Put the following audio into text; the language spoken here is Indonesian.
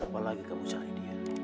apa lagi kamu cari dia